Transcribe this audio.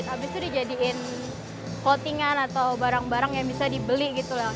abis itu dijadikan clothing an atau barang barang yang bisa dibeli gitu lah